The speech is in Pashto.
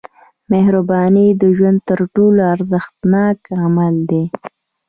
• مهرباني د ژوند تر ټولو ارزښتناک عمل دی.